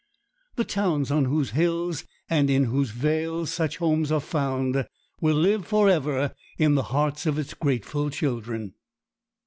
The towns on whose hills and in whose vales such homes are found will live forever in the hearts of its grateful children.